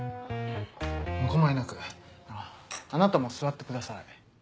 お構いなくあなたも座ってください。